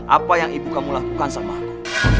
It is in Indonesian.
apa yang ibu kamu lakukan sama aku